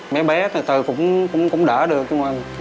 mấy bé từ từ cũng đỡ được nhưng mà